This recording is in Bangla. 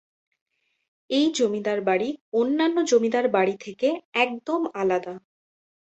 এই জমিদার বাড়ি অন্যান্য জমিদার বাড়ি থেকে একদম আলাদা।